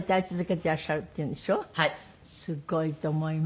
すごいと思います。